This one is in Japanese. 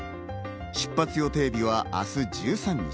出発予定日は明日１３日。